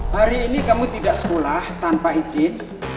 hari ini kamu tidak sekolah tanpa izin